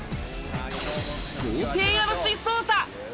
豪邸家主捜査。